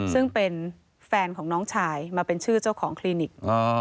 ซึ่งเป็นแฟนของน้องชายมาเป็นชื่อเจ้าของคลินิก